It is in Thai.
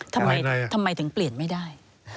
ทำไมถึงเปลี่ยนไม่ได้